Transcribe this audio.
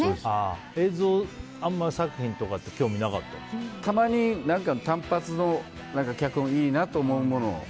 映像、作品とかあまりたまに単発の、脚本がいいなと思うものを。